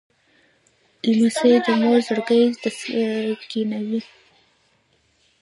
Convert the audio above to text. لمسی د مور زړګی تسکینوي.